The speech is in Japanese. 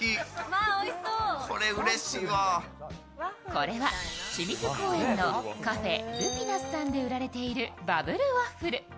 これは清水公園のＣａｆｅるぴなすさんで売られているバブルワッフル。